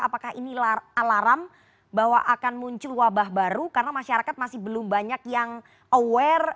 apakah ini alarm bahwa akan muncul wabah baru karena masyarakat masih belum banyak yang aware